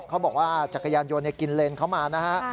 เขาบอกว่าจักรยานยนต์กินเลนเข้ามานะฮะ